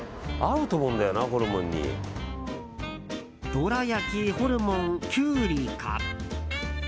どら焼き、ホルモンキュウリか？